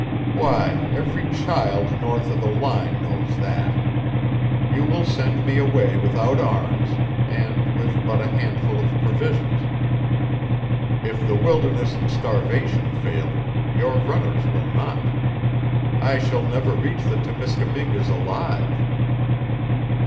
"Why, every child north of the Line knows that. You will send me away without arms, and with but a handful of provisions. If the wilderness and starvation fail, your runners will not. I shall never reach the Temiscamingues alive."